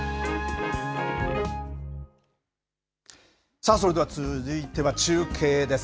さあ、それでは続いては、中継です。